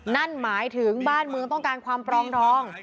นั่นหมายถึงบ้านเมืองต้องการความปรองดอง